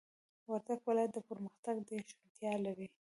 وردگ ولايت د پرمختگ ډېره شونتيا لري،